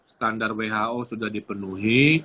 standar who sudah dipenuhi